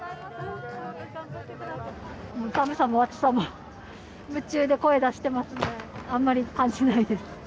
もう寒さも暑さも夢中で声を出していますのであんまり感じないです。